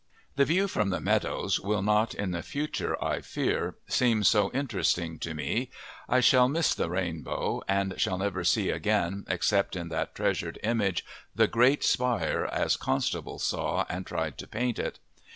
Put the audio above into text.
The view from the meadows will not, in the future, I fear, seem so interesting to me; I shall miss the rainbow, and shall never see again except in that treasured image the great spire as Constable saw and tried to paint it.